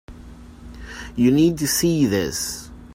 You need to see this.